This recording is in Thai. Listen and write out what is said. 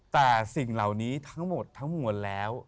แต่สิ่งเหล่านี้ทั้งหมดทั้งมวลแล้ว